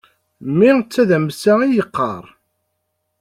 Mmi d tadamsa i yeqqar.